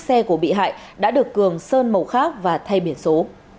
vị hại đã được cường sơn màu khác và thay biển số